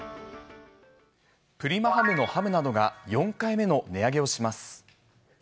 プリマハムのハムなどが、４回目の値上げをします。